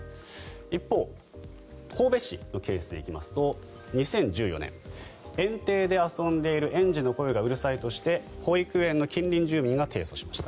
一方、神戸市のケースですと２０１４年園庭で遊んでいる園児の声がうるさいとして保育園の近隣住民が提訴しました。